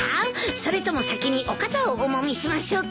それとも先にお肩をおもみしましょうか？